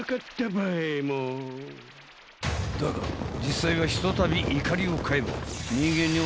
［だが実際はひとたび怒りを買えば］